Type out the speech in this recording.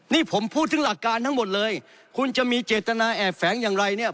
นี่ผมพูดถึงหลักการทั้งหมดเลยคุณจะมีเจตนาแอบแฝงอย่างไรเนี่ย